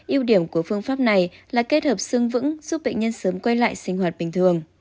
yêu điểm của phương pháp này là kết hợp xương vững giúp bệnh nhân sớm quay lại sinh hoạt bình thường